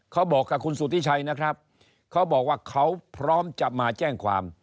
เขาบอกกับคุณสุธิชัยนะครับเขาบอกว่าเขาพร้อมจะมาแจ้งความ